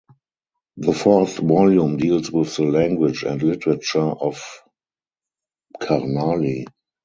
The fourth volume deals with the language and literature of Karnali.